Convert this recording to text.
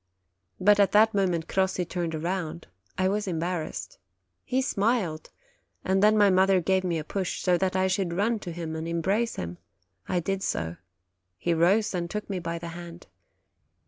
But at that moment Crossi turned round ; I was em barrassed; he smiled, and then my mother gave me a push, so that I should run to him and embrace him. I did so: he rose and took me by the hand.